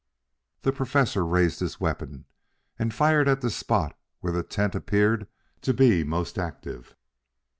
The Professor raised his weapon and fired at the spot where the tent appeared to be most active.